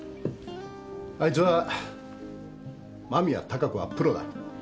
あいつは間宮貴子はプロだ。